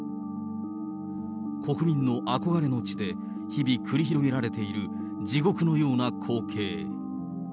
国民の憧れの地で、日々、繰り広げられている地獄のような光景。